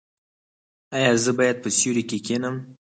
ایا زه باید په سیوري کې کینم؟